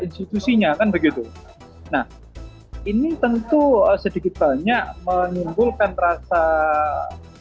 institusinya kan begitu nah ini tentu sedikit banyak menyimpulkan rasa dugaan atau spekulasi